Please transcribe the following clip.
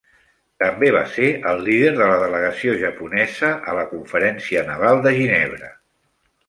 També va ser el líder de la delegació japonesa a la Conferència Naval de Ginebra.